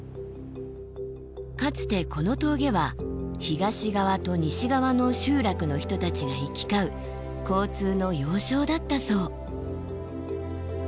かつてこの峠は東側と西側の集落の人たちが行き交う交通の要衝だったそう。